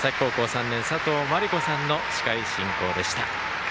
３年佐藤毬子さんの司会進行でした。